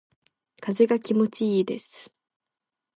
風が気持ちいいです。